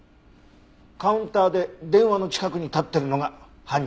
カウンターで電話の近くに立ってるのが犯人だね。